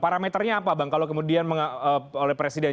parameternya apa bang kalau kemudian oleh presiden